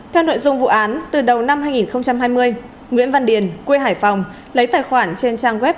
theo nội dung vụ án từ đầu năm hai nghìn hai mươi nguyễn văn điền quê hải phòng lấy tài khoản trên trang web